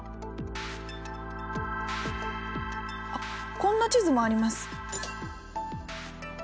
あっこんな地図もあります。